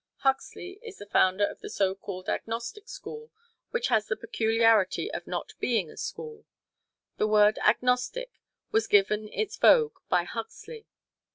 Huxley is the founder of the so called Agnostic School, which has the peculiarity of not being a school. The word "agnostic" was given its vogue by Huxley.